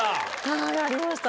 ありました